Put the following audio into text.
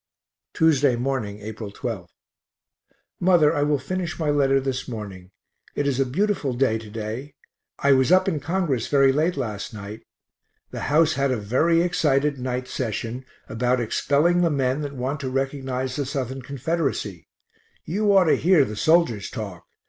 Tuesday morning, April 12. Mother, I will finish my letter this morning. It is a beautiful day to day. I was up in Congress very late last night. The house had a very excited night session about expelling the men that want to recognize the Southern Confederacy. You ought to hear the soldiers talk.